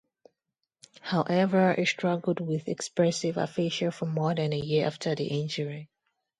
However, he struggled with expressive aphasia for more than a year after the injury.